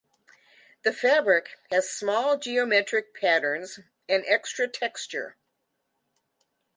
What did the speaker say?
The fabric has small geometric patterns and extra texture.